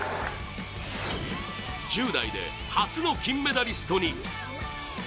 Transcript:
１０代で初の金メダリストに。